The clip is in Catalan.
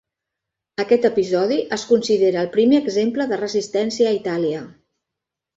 Aquest episodi es considera el primer exemple de resistència a Itàlia.